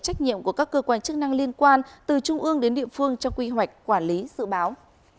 trách nhiệm của các cơ quan chức năng liên quan từ trung ương đến địa phương trong quy hoạch quản lý dự báo